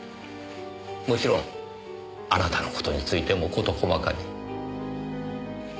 もちろんあなたの事についても事細かに。